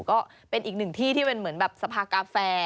ก็เป็นอีกหนึ่งที่ที่เป็นเหมือนแบบสภากาแฟ